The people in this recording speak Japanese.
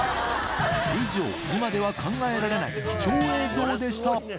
以上、今では考えられない貴重映像でした。